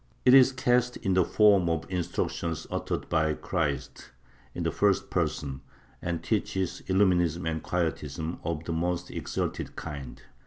It is ca st in the form of instructions uttered by Christ, in the first person, and teaches Illuminism and Quietism of the most exalted kind.